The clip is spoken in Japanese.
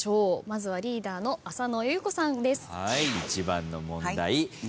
まずはリーダーの浅野ゆう子さんです。